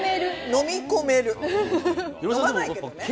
飲まないけどね。